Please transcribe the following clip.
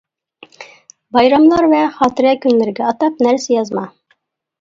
بايراملار ۋە خاتىرە كۈنلىرىگە ئاتاپ نەرسە يازما.